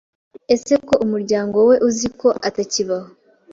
Ese ko umuryango we uzi ko atakibaho,